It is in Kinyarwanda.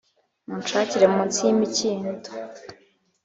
munshakire munsi y'imikindo.